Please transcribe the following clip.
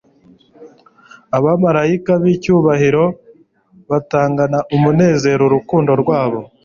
Abamalayika b'icyubahiro batangana umunezero urukundo rwabo